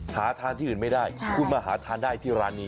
หาทานที่อื่นไม่ได้คุณมาหาทานได้ที่ร้านนี้